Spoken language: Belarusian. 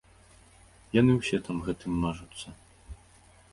Яны ўсе там гэтым мажуцца.